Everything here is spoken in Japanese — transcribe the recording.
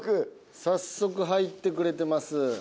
早速入ってくれてます。